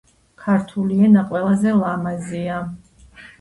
ქართული ენა ყველაზე ლამაზია